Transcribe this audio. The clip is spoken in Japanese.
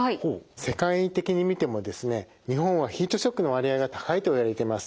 世界的に見てもですね日本はヒートショックの割合が高いといわれています。